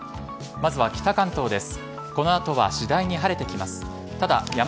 まずは北関東です。